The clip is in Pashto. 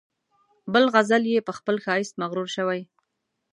بل غزل یې په خپل ښایست مغرور شوی.